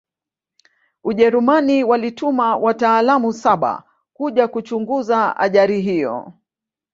ujerumani walituma wataalamu saba kuja kuchunguza ajari hiyo